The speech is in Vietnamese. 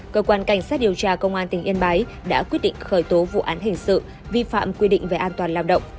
cơ quan cảnh sát điều tra công an tỉnh yên bái đã quyết định khởi tố vụ án hình sự vi phạm quy định về an toàn lao động